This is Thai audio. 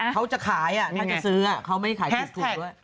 เขาจะขายถ้าจะซื้อเขาไม่ได้ขายผิดถูกด้วย